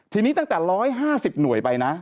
ทีนี้ตั้งแต่๑๕๐หน่วยไปนะ